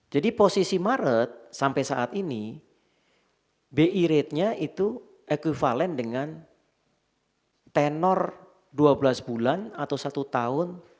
jadi posisi maret sampai saat ini bi rate nya itu equivalent dengan tenor dua belas bulan atau satu tahun